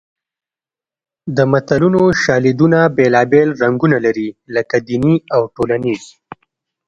د متلونو شالیدونه بېلابېل رنګونه لري لکه دیني او ټولنیز